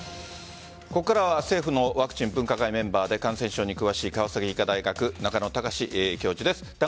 ここからは政府のワクチン分科会メンバーで感染症に詳しい川崎医科大学中野貴司教授です。